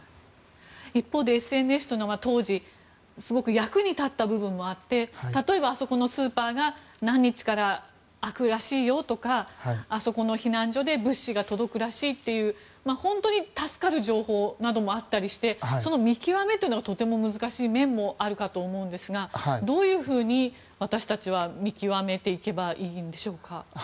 一方でＳＮＳというのは当時すごく役に立った部分もあって例えば、あそこのスーパーが何日から開くらしいとかあそこの避難所で物資が届くらしいという本当に助かる情報などもあったりしてその見極めがとても難しい面もあるかと思うんですがどういうふうに私たちは見極めていけばいいんでしょうか。